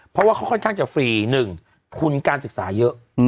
เพราะว่าเขาค่อยจังจะฟรีหนึ่งคุณการศึกษาเยอะ